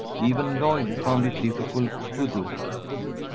Even Lloyd found it difficult to do.